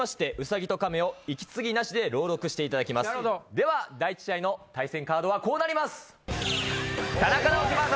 では第１試合の対戦カードはこうなります！ＯＫ！